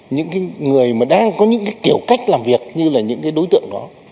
những người mà đang có những kiểu cách làm việc như là những đối tượng đó